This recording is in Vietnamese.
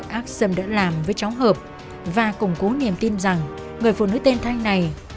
chi tiết này gợi cho các trinh sát nhớ đến tội ác sâm đã làm với cháu hợp và củng cố niềm tin rằng người phụ nữ tên thanh này chính là nguyễn thị sâm